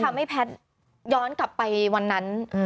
แล้วให้แพทย์ย้อนกลับไปวันนั้น